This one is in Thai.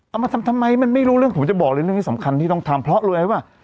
เอามาทำทำไมมันไม่รู้เรื่องผมจะบอกเลยเรื่องนี้สำคัญที่ต้องทำเพราะรู้อะไรป่ะ